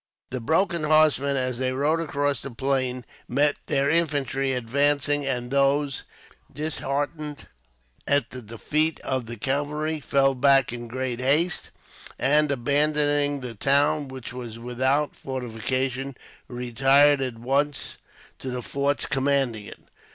The broken horsemen, as they rode across the plain, met their infantry advancing; and these, disheartened at the defeat of the cavalry, fell back in great haste; and, abandoning the town, which was without fortification, retired at once to the forts commanding it.